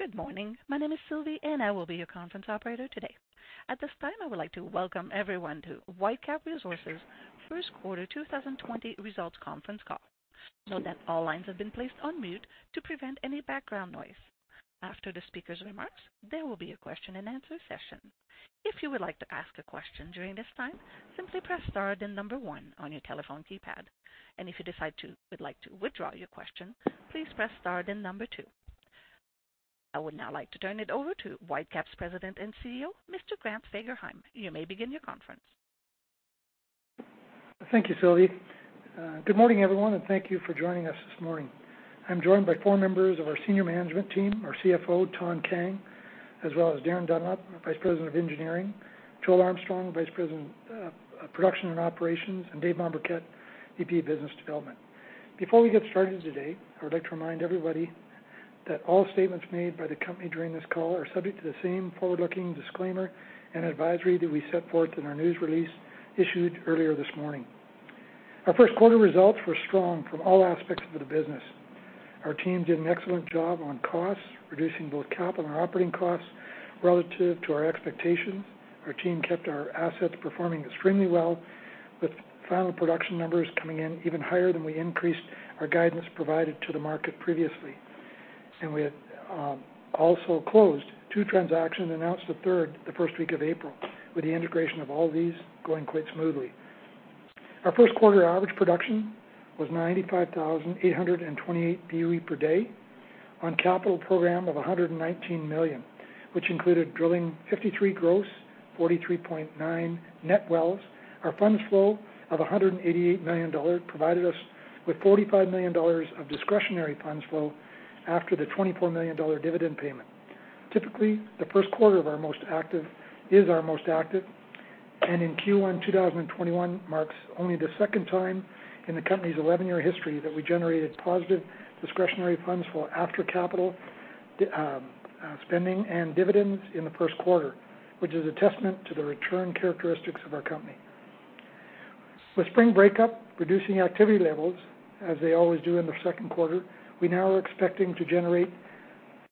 Good morning. My name is Sylvie, and I will be your conference operator today. At this time, I would like to welcome everyone to Whitecap Resources' first quarter 2020 results conference call. Note that all lines have been placed on mute to prevent any background noise. After the speaker's remarks, there will be a question-and-answer session. If you would like to ask a question during this time, simply press star then number one on your telephone keypad. If you would like to withdraw your question, please press star then number two. I would now like to turn it over to Whitecap's President and CEO, Mr. Grant Fagerheim. You may begin your conference. Thank you, Sylvie. Good morning, everyone, and thank you for joining us this morning. I'm joined by four members of our senior management team, our CFO, Thanh Kang, as well as Darin Dunlop, Vice President of Engineering, Joel Armstrong, Vice President of Production and Operations, and Dave Mombourquette, VP of Business Development. Before we get started today, I would like to remind everybody that all statements made by the company during this call are subject to the same forward-looking disclaimer and advisory that we set forth in our news release issued earlier this morning. Our first quarter results were strong from all aspects of the business. Our team did an excellent job on costs, reducing both capital and operating costs relative to our expectations. Our team kept our assets performing extremely well, with final production numbers coming in even higher than we increased our guidance provided to the market previously. And we also closed two transactions and announced a third the first week of April, with the integration of all these going quite smoothly. Our first quarter average production was 95,828 BOE per day on a capital program of 119 million, which included drilling 53 gross, 43.9 net wells. Our funds flow of 188 million dollars provided us with 45 million dollars of discretionary funds flow after the 24 million dollar dividend payment. Typically, the first quarter of our most active is our most active, and in Q1 2021 marks only the second time in the company's 11-year history that we generated positive discretionary funds flow after capital spending and dividends in the first quarter, which is a testament to the return characteristics of our company. With spring breakup, reducing activity levels, as they always do in the second quarter, we now are expecting to generate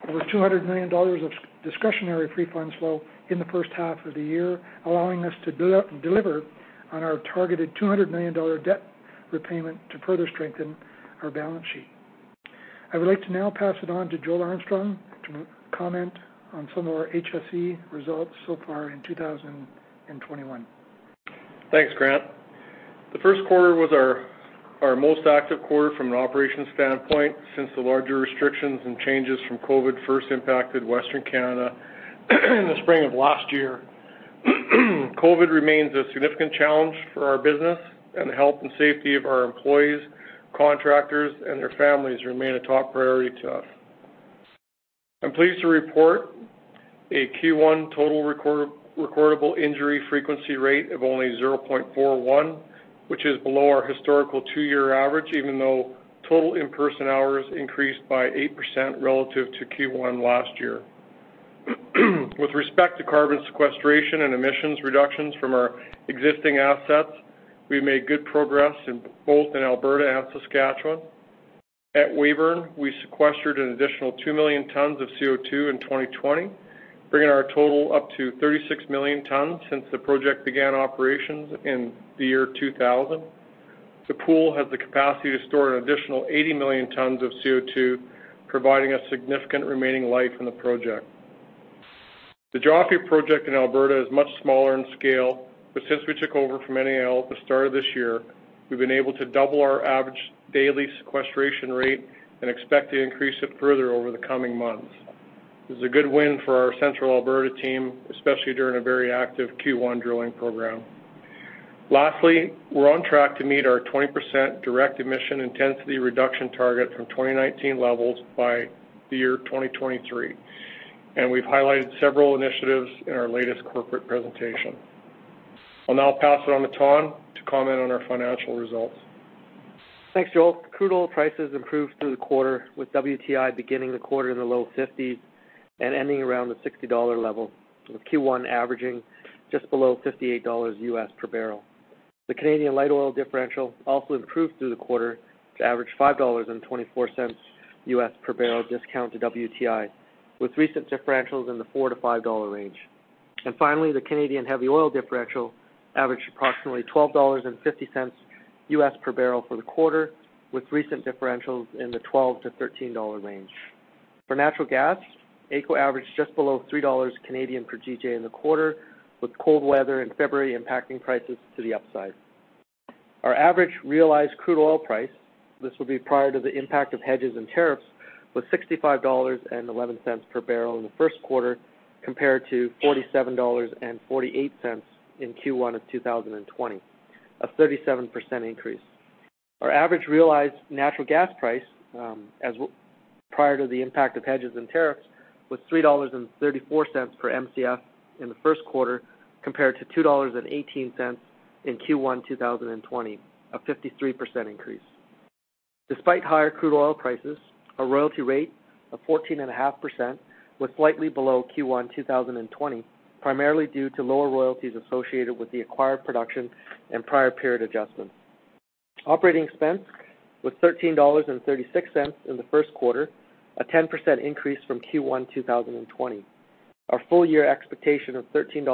over 200 million dollars of discretionary free funds flow in the first half of the year, allowing us to deliver on our targeted 200 million dollar debt repayment to further strengthen our balance sheet. I would like to now pass it on to Joel Armstrong to comment on some of our HSE results so far in 2021. Thanks, Grant. The first quarter was our most active quarter from an operations standpoint since the larger restrictions and changes from COVID first impacted Western Canada in the spring of last year. COVID remains a significant challenge for our business, and the health and safety of our employees, contractors, and their families remain a top priority to us. I'm pleased to report a Q1 total recordable injury frequency rate of only 0.41, which is below our historical two-year average, even though total in-person hours increased by 8% relative to Q1 last year. With respect to carbon sequestration and emissions reductions from our existing assets, we made good progress in both Alberta and Saskatchewan. At Weyburn, we sequestered an additional 2 million tons of CO2 in 2020, bringing our total up to 36 million tons since the project began operations in the year 2000. The pool has the capacity to store an additional 80 million tons of CO2, providing a significant remaining life in the project. The Joffre Project in Alberta is much smaller in scale, but since we took over from NAL at the start of this year, we've been able to double our average daily sequestration rate and expect to increase it further over the coming months. This is a good win for our Central Alberta team, especially during a very active Q1 drilling program. Lastly, we're on track to meet our 20% direct emission intensity reduction target from 2019 levels by the year 2023, and we've highlighted several initiatives in our latest corporate presentation. I'll now pass it on to Thanh to comment on our financial results. Thanks, Joel. Crude oil prices improved through the quarter, with WTI beginning the quarter in the low 50s and ending around the $60 level, with Q1 averaging just below $58 per barrel. The Canadian light oil differential also improved through the quarter to average $5.24 per barrel discount to WTI, with recent differentials in the $4-$5 range. And finally, the Canadian heavy oil differential averaged approximately $12.50 per barrel for the quarter, with recent differentials in the $12-$13 range. For natural gas, AECO averaged just below 3 Canadian dollars per GJ in the quarter, with cold weather in February impacting prices to the upside. Our average realized crude oil price (this would be prior to the impact of hedges and tariffs was $65.11 per barrel in the first quarter, compared to $47.48 in Q1 of 2020, a 37% increase. Our average realized natural gas price, prior to the impact of hedges and tariffs, was 3.34 dollars per MCF in the first quarter, compared to 2.18 dollars in Q1 2020, a 53% increase. Despite higher crude oil prices, our royalty rate of 14.5% was slightly below Q1 2020, primarily due to lower royalties associated with the acquired production and prior period adjustments. Operating expense was 13.36 dollars in the first quarter, a 10% increase from Q1 2020. Our full-year expectation of 13.50-14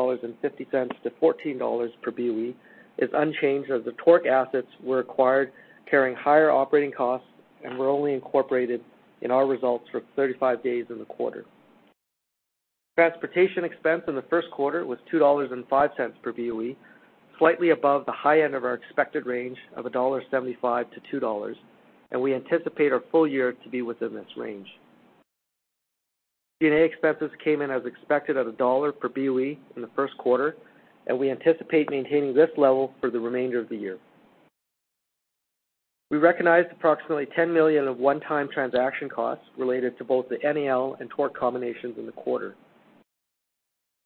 dollars per BOE is unchanged, as the TORC assets were acquired carrying higher operating costs and were only incorporated in our results for 35 days in the quarter. Transportation expense in the first quarter was 2.05 dollars per BOE, slightly above the high end of our expected range of 1.75-2.00 dollars, and we anticipate our full year to be within this range. DD&A expenses came in as expected at CAD 1 per BOE in the first quarter, and we anticipate maintaining this level for the remainder of the year. We recognized approximately 10 million of one-time transaction costs related to both the NAL and TORC combinations in the quarter.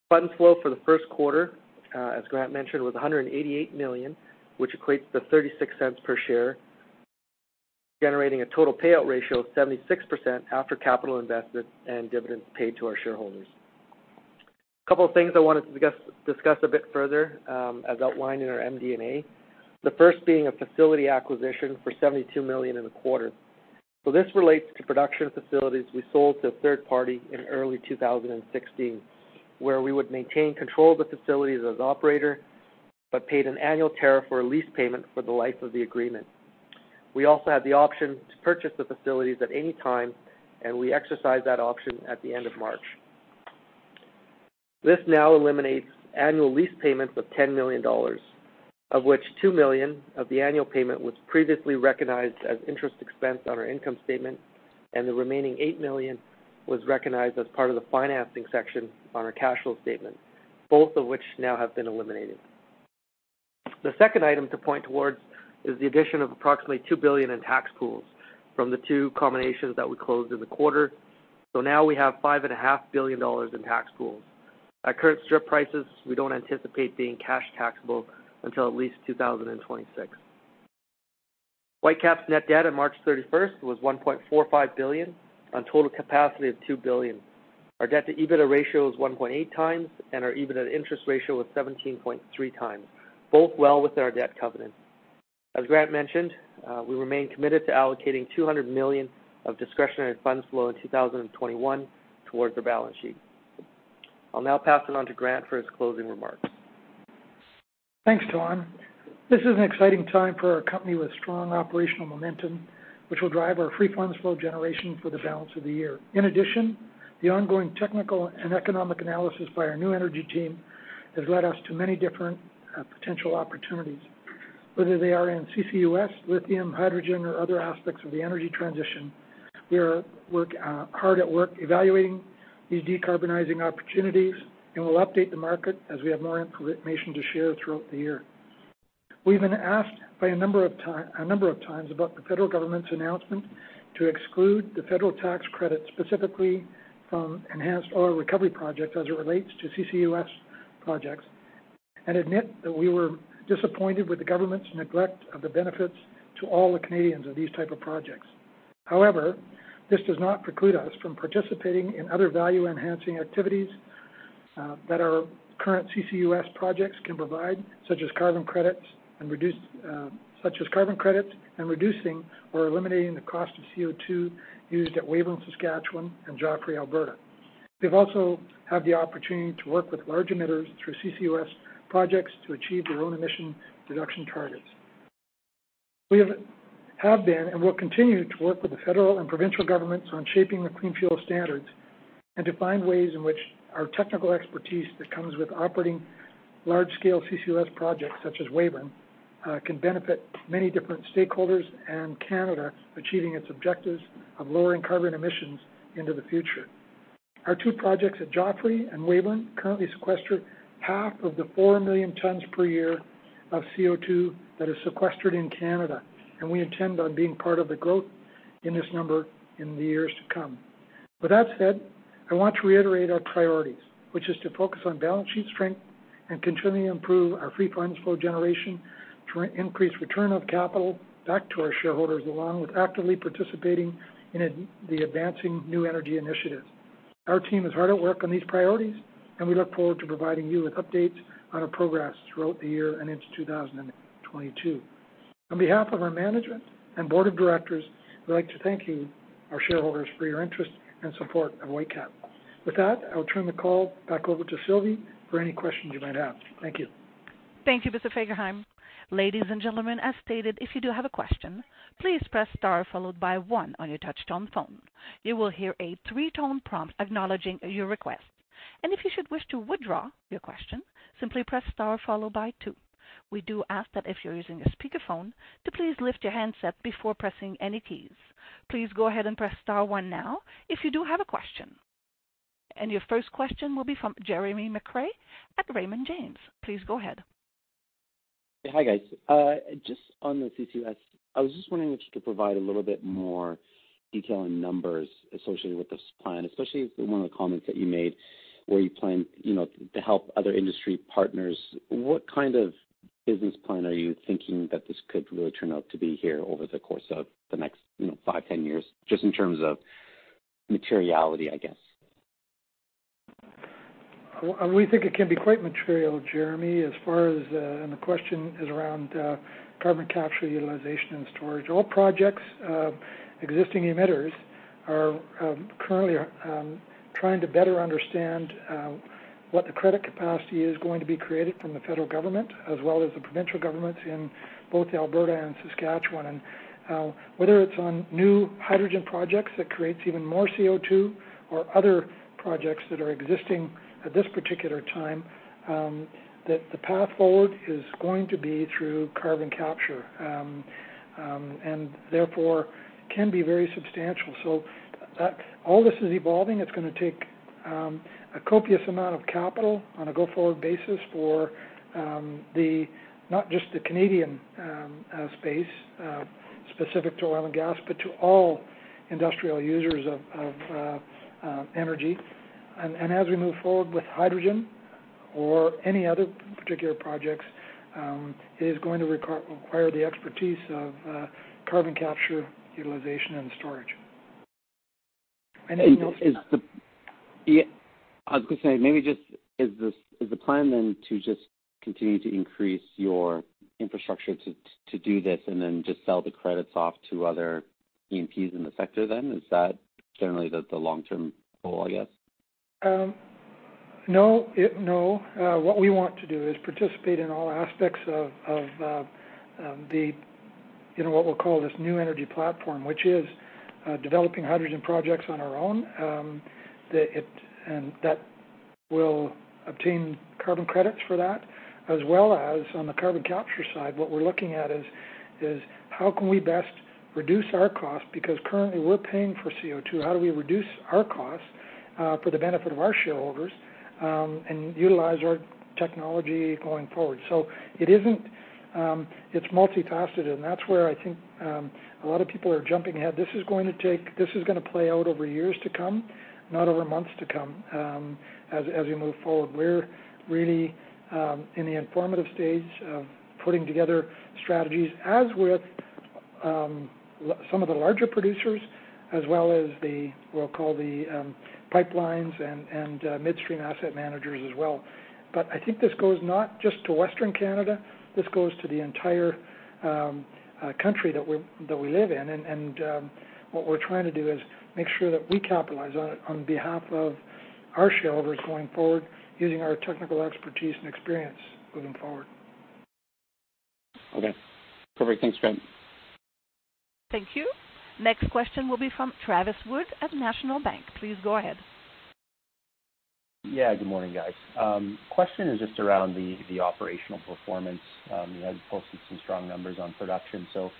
Funds flow for the first quarter, as Grant mentioned, was 188 million, which equates to 0.36 per share, generating a total payout ratio of 76% after capital investment and dividends paid to our shareholders. A couple of things I wanted to discuss a bit further, as outlined in our MD&A, the first being a facility acquisition for 72 million in the quarter. So this relates to production facilities we sold to a third party in early 2016, where we would maintain control of the facilities as operator but paid an annual tariff or a lease payment for the life of the agreement. We also had the option to purchase the facilities at any time, and we exercised that option at the end of March. This now eliminates annual lease payments of 10 million dollars, of which 2 million of the annual payment was previously recognized as interest expense on our income statement, and the remaining 8 million was recognized as part of the financing section on our cash flow statement, both of which now have been eliminated. The second item to point towards is the addition of approximately 2 billion in tax pools from the two combinations that we closed in the quarter. So now we have 5.5 billion dollars in tax pools. At current strip prices, we don't anticipate being cash taxable until at least 2026. Whitecap's net debt on March 31st was 1.45 billion on a total capacity of 2 billion. Our debt-to-EBITDA ratio was 1.8x, and our EBITDA to interest ratio was 17.3x, both well within our debt covenant. As Grant mentioned, we remain committed to allocating 200 million of discretionary funds flow in 2021 towards our balance sheet. I'll now pass it on to Grant for his closing remarks. Thanks, Thanh. This is an exciting time for our company with strong operational momentum, which will drive our free funds flow generation for the balance of the year. In addition, the ongoing technical and economic analysis by our new energy team has led us to many different potential opportunities. Whether they are in CCUS, lithium, hydrogen, or other aspects of the energy transition, we are hard at work evaluating these decarbonizing opportunities and will update the market as we have more information to share throughout the year. We've been asked a number of times about the federal government's announcement to exclude the federal tax credit specifically from enhanced oil recovery projects as it relates to CCUS projects, and admit that we were disappointed with the government's neglect of the benefits to all Canadians of these types of projects. However, this does not preclude us from participating in other value-enhancing activities that our current CCUS projects can provide, such as carbon credits and reducing or eliminating the cost of CO2 used at Weyburn, Saskatchewan, and Joffre, Alberta. We've also had the opportunity to work with large emitters through CCUS projects to achieve their own emission reduction targets. We have been and will continue to work with the federal and provincial governments on shaping the Clean Fuel Standard and to find ways in which our technical expertise that comes with operating large-scale CCUS projects such as Weyburn can benefit many different stakeholders and Canada achieving its objectives of lowering carbon emissions into the future. Our two projects at Joffre and Weyburn currently sequester half of the four million tons per year of CO2 that is sequestered in Canada, and we intend on being part of the growth in this number in the years to come. With that said, I want to reiterate our priorities, which is to focus on balance sheet strength and continually improve our free funds flow generation to increase return of capital back to our shareholders along with actively participating in the advancing new energy initiatives. Our team is hard at work on these priorities, and we look forward to providing you with updates on our progress throughout the year and into 2022. On behalf of our management and board of directors, we'd like to thank you, our shareholders, for your interest and support of Whitecap. With that, I'll turn the call back over to Sylvie for any questions you might have. Thank you. Thank you, Mr. Fagerheim. Ladies and gentlemen, as stated, if you do have a question, please press star followed by one on your touch-tone phone. You will hear a three-tone prompt acknowledging your request. And if you should wish to withdraw your question, simply press star followed by two. We do ask that if you're using a speakerphone, to please lift your handset before pressing any keys. Please go ahead and press star one now if you do have a question. And your first question will be from Jeremy McCrea at Raymond James. Please go ahead. Hi, guys. Just on the CCUS, I was just wondering if you could provide a little bit more detail and numbers associated with this plan, especially one of the comments that you made where you plan to help other industry partners. What kind of business plan are you thinking that this could really turn out to be here over the course of the next five, 10 years, just in terms of materiality, I guess? We think it can be quite material, Jeremy, as far as the question is around carbon capture, utilization, and storage. All projects, existing emitters are currently trying to better understand what the credit capacity is going to be created from the federal government, as well as the provincial governments in both Alberta and Saskatchewan, and whether it's on new hydrogen projects that create even more CO2 or other projects that are existing at this particular time, the path forward is going to be through carbon capture and therefore can be very substantial, so all this is evolving. It's going to take a copious amount of capital on a go-forward basis for not just the Canadian space specific to oil and gas, but to all industrial users of energy. As we move forward with hydrogen or any other particular projects, it is going to require the expertise of carbon capture, utilization, and storage. I was going to say, maybe is the plan then to just continue to increase your infrastructure to do this and then just sell the credits off to other E&Ps in the sector then? Is that generally the long-term goal, I guess? No. No. What we want to do is participate in all aspects of what we'll call this new energy platform, which is developing hydrogen projects on our own, and that will obtain carbon credits for that. As well as on the carbon capture side, what we're looking at is how can we best reduce our costs? Because currently, we're paying for CO2. How do we reduce our costs for the benefit of our shareholders and utilize our technology going forward? So it's multitasked, and that's where I think a lot of people are jumping ahead. This is going to take. This is going to play out over years to come, not over months to come, as we move forward. We're really in the informative stage of putting together strategies as with some of the larger producers, as well as what we'll call the pipelines and midstream asset managers as well. But I think this goes not just to Western Canada. This goes to the entire country that we live in. And what we're trying to do is make sure that we capitalize on behalf of our shareholders going forward, using our technical expertise and experience moving forward. Okay. Perfect. Thanks, Grant. Thank you. Next question will be from Travis Wood at National Bank. Please go ahead. Yeah. Good morning, guys. Question is just around the operational performance. You had posted some strong numbers on production. So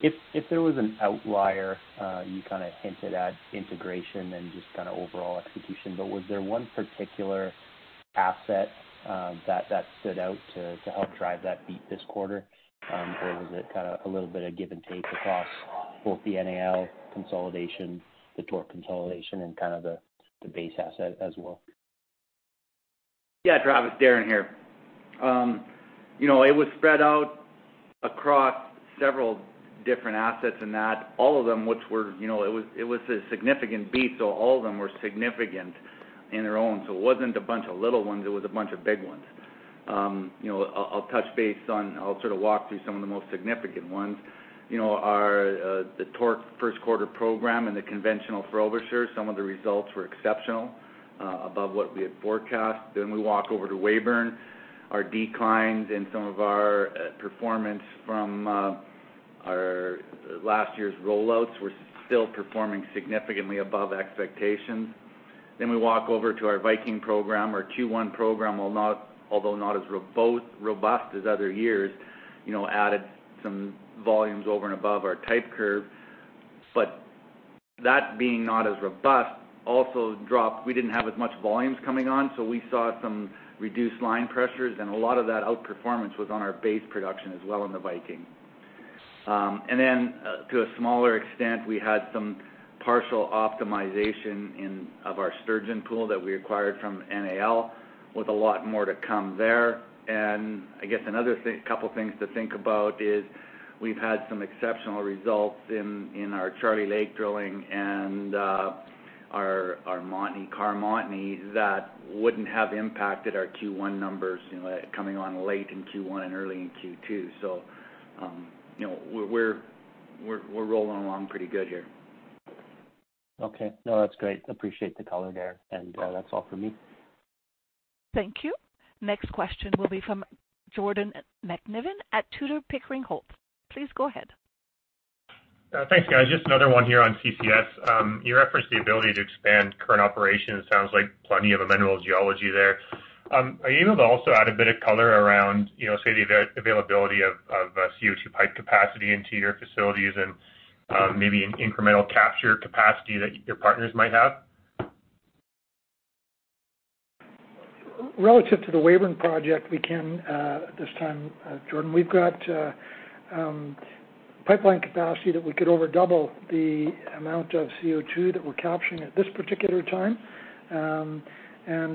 if there was an outlier, you kind of hinted at integration and just kind of overall execution, but was there one particular asset that stood out to help drive that beat this quarter, or was it kind of a little bit of give and take across both the NAL consolidation, the TORC consolidation, and kind of the base asset as well? Yeah. Travis, Darin here. It was spread out across several different assets in that all of them, which were, it was a significant beat, so all of them were significant in their own, so it wasn't a bunch of little ones. It was a bunch of big ones. I'll touch base on, I'll sort of walk through some of the most significant ones. The TORC first-quarter program and the conventional Frobisher, some of the results were exceptional, above what we had forecast, then we walk over to Weyburn. Our declines in some of our performance from last year's rollouts were still performing significantly above expectations, then we walk over to our Viking program. Our Q1 program, although not as robust as other years, added some volumes over and above our type curve. But that being not as robust, also dropped. We didn't have as much volumes coming on, so we saw some reduced line pressures, and a lot of that outperformance was on our base production as well on the Viking. And then, to a smaller extent, we had some partial optimization of our Sturgeon pool that we acquired from NAL, with a lot more to come there. And I guess another couple of things to think about is we've had some exceptional results in our Charlie Lake drilling and our Montney Cardium Montney that wouldn't have impacted our Q1 numbers coming on late in Q1 and early in Q2. So we're rolling along pretty good here. Okay. No, that's great. Appreciate the color, Gary, and that's all for me. Thank you. Next question will be from Jordan McNiven at Tudor, Pickering, Holt. Please go ahead. Thanks, guys. Just another one here on CCS. You referenced the ability to expand current operations. Sounds like plenty of favorable geology there. Are you able to also add a bit of color around, say, the availability of CO2 pipe capacity into your facilities and maybe incremental capture capacity that your partners might have? Relative to the Weyburn Project, we can, this time, Jordan. We've got pipeline capacity that we could overdouble the amount of CO2 that we're capturing at this particular time. And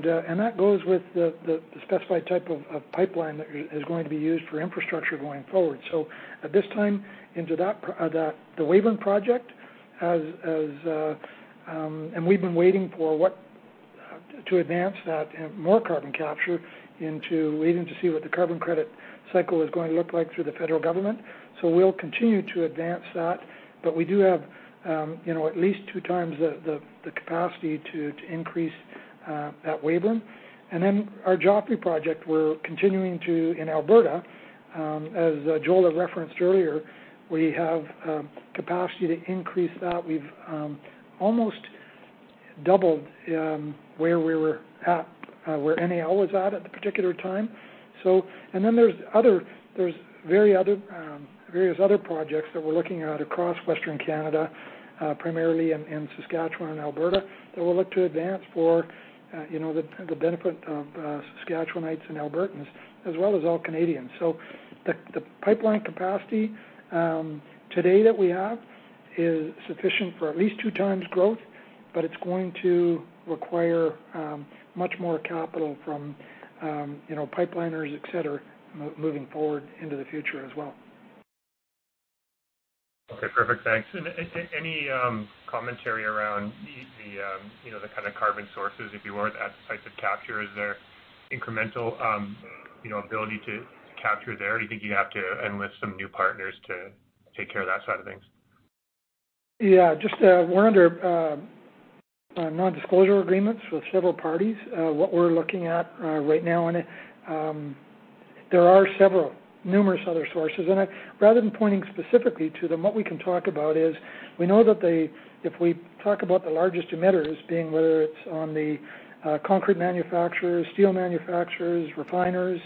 that goes with the specified type of pipeline that is going to be used for infrastructure going forward. So at this time, into the Weyburn Project, and we've been waiting to advance that more carbon capture into waiting to see what the carbon credit cycle is going to look like through the federal government. So we'll continue to advance that, but we do have at least two times the capacity to increase that Weyburn. And then our Joffre project, we're continuing to, in Alberta, as Joel referenced earlier, we have capacity to increase that. We've almost doubled where we were at, where NAL was at at the particular time. And then there's various other projects that we're looking at across Western Canada, primarily in Saskatchewan and Alberta, that we'll look to advance for the benefit of Saskatchewanites and Albertans, as well as all Canadians. So the pipeline capacity today that we have is sufficient for at least two times growth, but it's going to require much more capital from pipeliners, etc., moving forward into the future as well. Okay. Perfect. Thanks. And any commentary around the kind of carbon sources, if you wanted that type of capture? Is there incremental ability to capture there? Do you think you'd have to enlist some new partners to take care of that side of things? Yeah. Just, we're under non-disclosure agreements with several parties. What we're looking at right now, and there are several, numerous other sources. And rather than pointing specifically to them, what we can talk about is we know that if we talk about the largest emitters being whether it's on the concrete manufacturers, steel manufacturers, refiners,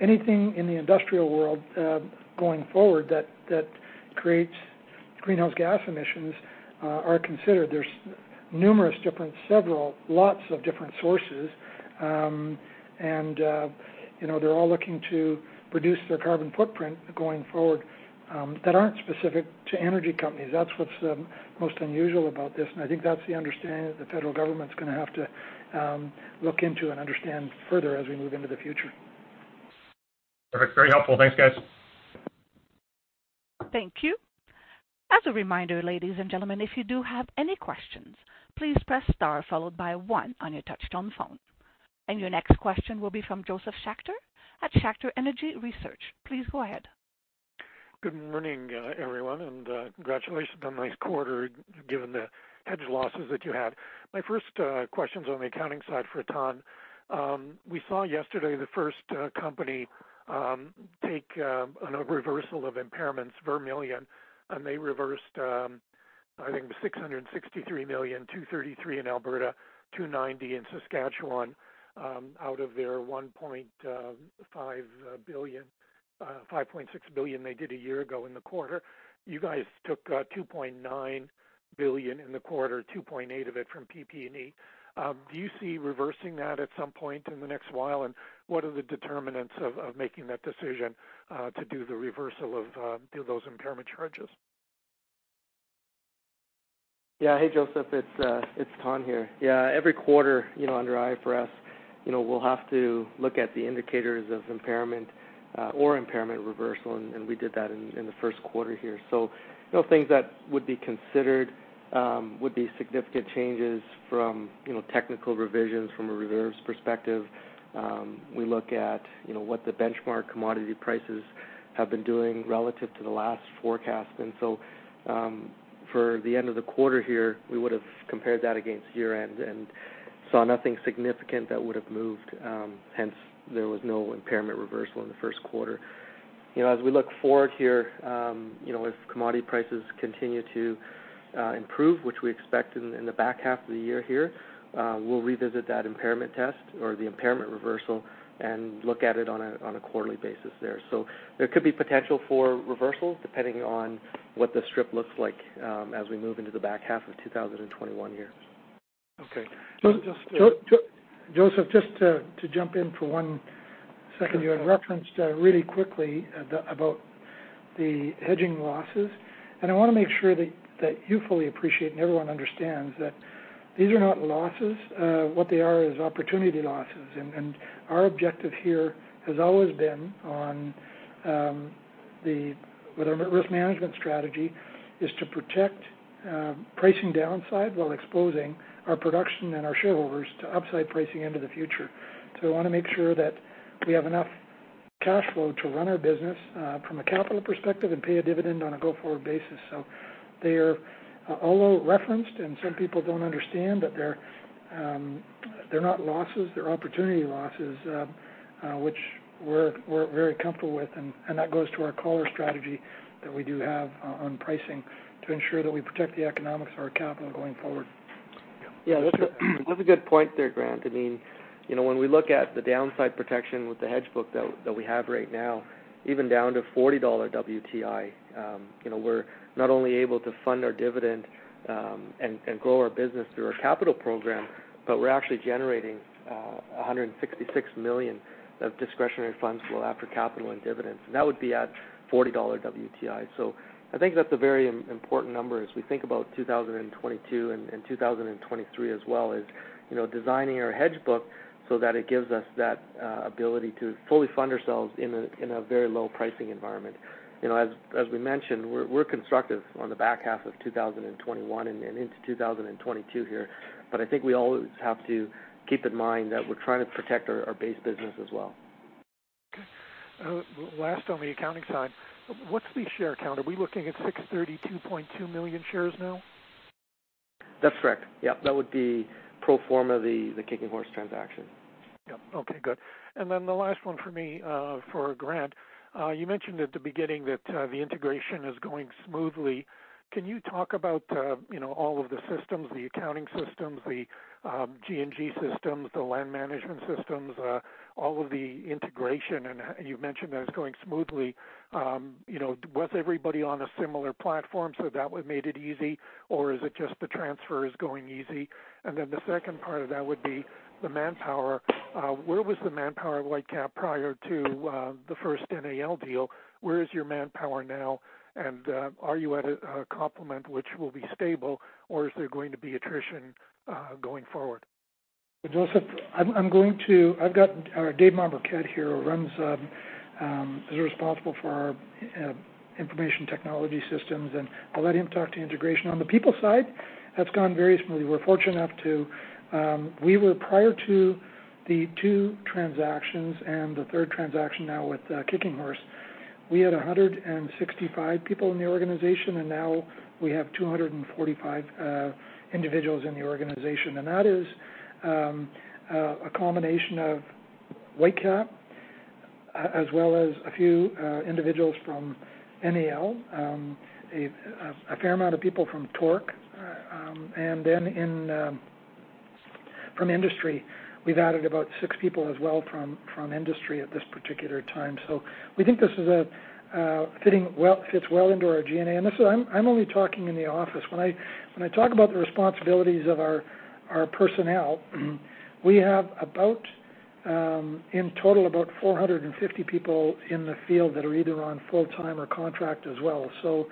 anything in the industrial world going forward that creates greenhouse gas emissions are considered. There's numerous different, several, lots of different sources, and they're all looking to reduce their carbon footprint going forward that aren't specific to energy companies. That's what's most unusual about this. And I think that's the understanding that the federal government's going to have to look into and understand further as we move into the future. Perfect. Very helpful. Thanks, guys. Thank you. As a reminder, ladies and gentlemen, if you do have any questions, please press star followed by one on your touch-tone phone. And your next question will be from Josef Schachter at Schachter Energy Research. Please go ahead. Good morning, everyone, and congratulations on the nice quarter given the hedge losses that you had. My first question's on the accounting side for Thanh. We saw yesterday the first company take a reversal of impairments, Vermilion, and they reversed, I think, 663 million, 233 million in Alberta, 290 million in Saskatchewan out of their 1.56 billion they did a year ago in the quarter. You guys took 2.9 billion in the quarter, 2.8 billion of it from PP&E. Do you see reversing that at some point in the next while, and what are the determinants of making that decision to do the reversal of those impairment charges? Yeah. Hey, Josef. It's Thanh here. Yeah. Every quarter under IFRS, we'll have to look at the indicators of impairment or impairment reversal, and we did that in the first quarter here. So things that would be considered would be significant changes from technical revisions from a reserves perspective. We look at what the benchmark commodity prices have been doing relative to the last forecast. And so for the end of the quarter here, we would have compared that against year-end and saw nothing significant that would have moved. Hence, there was no impairment reversal in the first quarter. As we look forward here, if commodity prices continue to improve, which we expect in the back half of the year here, we'll revisit that impairment test or the impairment reversal and look at it on a quarterly basis there. So there could be potential for reversal depending on what the strip looks like as we move into the back half of 2021 here. Okay. Josef, just to jump in for one second, you had referenced really quickly about the hedging losses, and I want to make sure that you fully appreciate and everyone understands that these are not losses. What they are is opportunity losses. And our objective here has always been on the risk management strategy is to protect pricing downside while exposing our production and our shareholders to upside pricing into the future. So we want to make sure that we have enough cash flow to run our business from a capital perspective and pay a dividend on a go-forward basis. So they are all referenced, and some people don't understand that they're not losses. They're opportunity losses, which we're very comfortable with. And that goes to our collar strategy that we do have on pricing to ensure that we protect the economics of our capital going forward. Yeah. That's a good point there, Grant. I mean, when we look at the downside protection with the hedge book that we have right now, even down to $40 WTI, we're not only able to fund our dividend and grow our business through our capital program, but we're actually generating 166 million of discretionary funds flow after capital and dividends. And that would be at $40 WTI. So I think that's a very important number as we think about 2022 and 2023 as well, is designing our hedge book so that it gives us that ability to fully fund ourselves in a very low pricing environment. As we mentioned, we're constructive on the back half of 2021 and into 2022 here, but I think we always have to keep in mind that we're trying to protect our base business as well. Okay. Last on the accounting side, what's the share count? Are we looking at 632.2 million shares now? That's correct. Yeah. That would be pro forma the Kicking Horse transaction. Yep. Okay. Good. And then the last one for me, for Grant, you mentioned at the beginning that the integration is going smoothly. Can you talk about all of the systems, the accounting systems, the G&G systems, the land management systems, all of the integration? And you've mentioned that it's going smoothly. Was everybody on a similar platform, so that made it easy, or is it just the transfer is going easy? And then the second part of that would be the manpower. Where was the manpower at Whitecap prior to the first NAL deal? Where is your manpower now? And are you at a complement which will be stable, or is there going to be attrition going forward? Josef, I'm going to. I've got Dave Mombourquette here, who is responsible for our information technology systems, and I'll let him talk to integration. On the people side, that's gone very smoothly. We're fortunate enough to. We were, prior to the two transactions and the third transaction now with Kicking Horse, we had 165 people in the organization, and now we have 245 individuals in the organization, and that is a combination of Whitecap as well as a few individuals from NAL, a fair amount of people from Torc, and then from industry, we've added about six people as well from industry at this particular time, so we think this is a fitting, well, it fits well into our G&A, and I'm only talking in the office. When I talk about the responsibilities of our personnel, we have about, in total, about 450 people in the field that are either on full-time or contract as well. So.